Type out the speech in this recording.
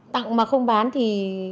tặng mà không bán thì